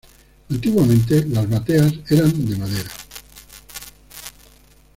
Antiguamente las bateas eran de madera.